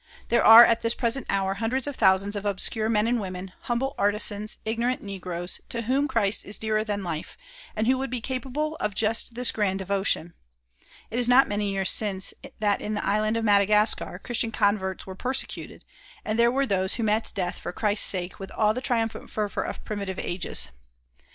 There are at this present hour hundreds of thousands of obscure men and women, humble artisans, ignorant negroes, to whom Christ is dearer than life, and who would be capable of just this grand devotion. It is not many years since that in the Island of Madagascar Christian converts were persecuted, and there were those who met death for Christ's sake with all the triumphant fervor of primitive ages.